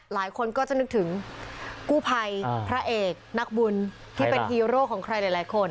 หลายคนก็จะนึกถึงกู้ภัยพระเอกนักบุญที่เป็นฮีโร่ของใครหลายคน